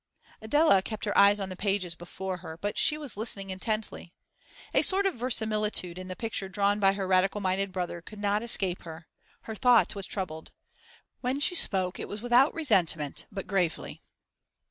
Adela kept her eyes on the pages before her, but she was listening intently. A sort of verisimilitude in the picture drawn by her Radical minded brother could not escape her; her thought was troubled. When she spoke it was without resentment, but gravely.